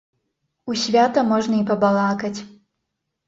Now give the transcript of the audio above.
У свята можна і пабалакаць.